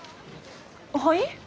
はい？